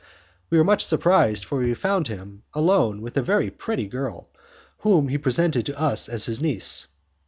We were much surprised, for we found him alone with a very pretty girl, whom he presented to us as his niece.